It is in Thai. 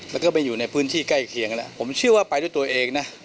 แล้วก็ไปอยู่ในพื้นที่ใกล้เคียงกันแล้วผมเชื่อว่าไปด้วยตัวเองนะ